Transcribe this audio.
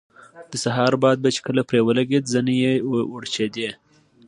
د سهار باد به چې کله پرې ولګېده زنې یې وړچېدې.